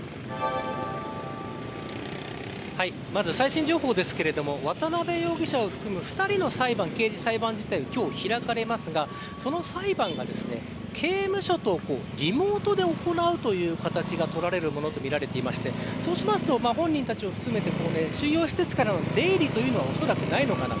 まず、最新情報ですが渡辺容疑者を含む２人の裁判刑事裁判自体が今日開かれますが、その裁判が刑務所とリモートで行うという形が取られるものとみられていてそうすると、本人たちを含めて収容施設からの出入りはおそらくないのかなと。